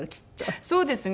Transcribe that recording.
そうですね。